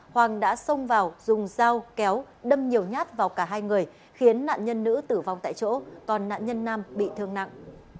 hoàng đã xông vào dùng dao kéo đâm nhiều nhát vào cả hai người khiến nạn nhân nữ tử vong tại chỗ còn nạn nhân nam bị thương nặng